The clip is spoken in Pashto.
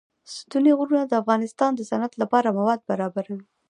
ستوني غرونه د افغانستان د صنعت لپاره مواد برابروي.